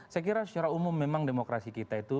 saya kira secara umum memang demokrasi kita itu